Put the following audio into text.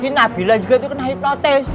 si nabila juga tuh kena hipnotis